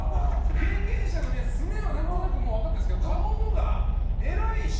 経験者の皆さんすねはなんとなくもうわかってるんですけど顔のがえらい進化してて。